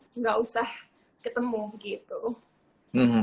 ya enggak usah ketemu gitu